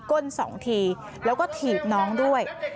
ก้น๒ทีแล้วก็ถีบน้องด้วย